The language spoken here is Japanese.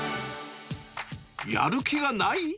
やる気がない？